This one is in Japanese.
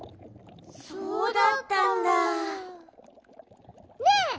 そうだったんだ。ねえ！